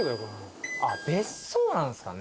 別荘なんですかね。